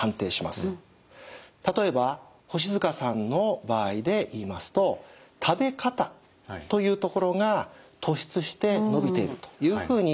例えば越塚さんの場合で言いますと「食べ方」というところが突出して伸びているというふうに判断します。